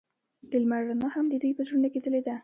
د لمر رڼا هم د دوی په زړونو کې ځلېده.